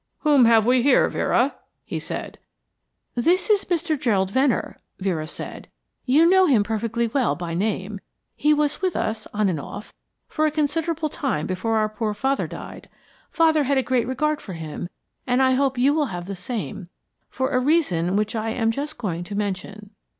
"Whom have we here, Vera?" he said. "This is Mr. Gerald Venner," Vera said. "You know him perfectly well by name he was with us, on and off, for a considerable time before our poor father died. Father had a great regard for him, and I hope you will have the same, for a reason which I am just going to mention."